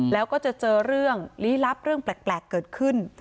แล้วก็จะเจอเรื่องลี้ลับเรื่องแปลกเกิดขึ้น